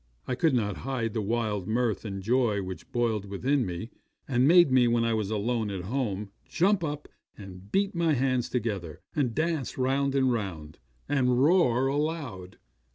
I could not hide the wild mirth and joy which boiled within me, and made me when I was alone, at home, jump up and beat my hands together, and dance round and round, and roar aloud.